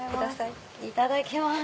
いただきます。